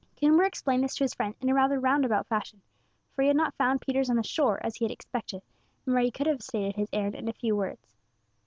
Coomber explained this to his friend in a rather roundabout fashion, for he had not found Peters on the shore, as he had expected, and where he could have stated his errand in a few words.